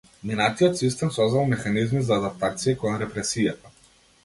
Минатиот систем создал механизми за адаптација кон репресијата.